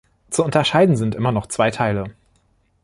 Zu unterscheiden sind immer noch zwei Teile.